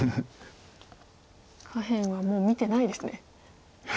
下辺はもう見てないですね。